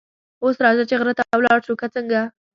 اوس راځه چې غره ته ولاړ شو، که څنګه؟